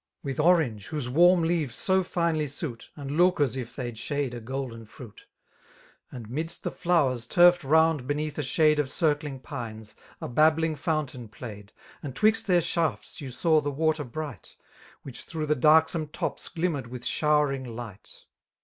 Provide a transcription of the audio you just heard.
With orange, whose warm leaves so finely suit. And look as if they'd shade a golden fruit; And midst the flowers, turfed round beneath a shade Of circling pines, a babbling fountain played. And Hwixt their shafts you saw the water bright. Which through the darksome ^ps glimmered with showering light.